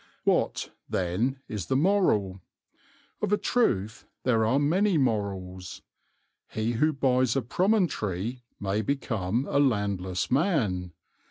What, then, is the moral? Of a truth there are many morals. He who buys a promontory may become a landless man.